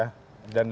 dan lebih berguna